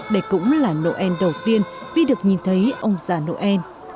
đây cũng là noel đầu tiên vi được nhìn thấy ông già noel